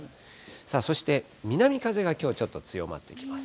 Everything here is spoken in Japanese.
さあ、そして南風がきょうちょっと強まってきます。